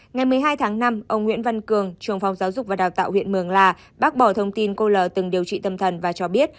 ngày một mươi hai tháng năm ông nguyễn văn cường trường phòng giáo dục và đào tạo huyện mường la bác bỏ thông tin cô lờ từng điều trị tâm thần và cho biết